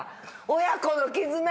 親子の絆。